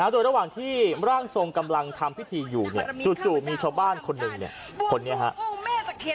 โดยระหว่างที่ร่างทรงกำลังทำพิธีอยู่จู่มีชาวบ้านคนหนึ่งคนนี้ครับ